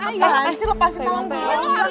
apaan sih lepasin tangan gue